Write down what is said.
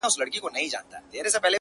څه چي وایم دروغ نه دي حقیقت دی,